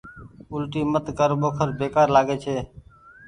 اولٽي مت ڪر ٻوکر بيڪآر لآڳي ڇي